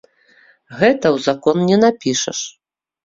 Гэта ў закон не напішаш.